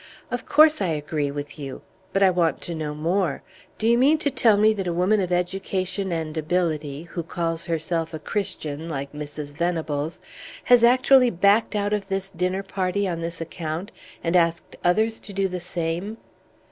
"Of course I agree with you! But I want to know more. Do you mean to tell me that a woman of education and ability, who calls herself a Christian, like Mrs. Venables, has actually backed out of this dinner party on this account, and asked others to do the same?"